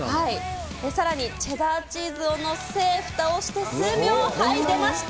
さらにチェダーチーズを載せ、ふたをして数秒、はい、出ました。